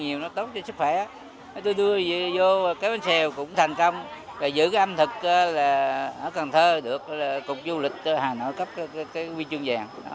giữ ẩm thực ở cần thơ được cục du lịch hà nội cấp huy chương vàng